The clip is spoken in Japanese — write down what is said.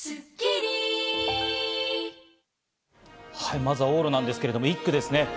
まずは往路なんですが、１区ですね。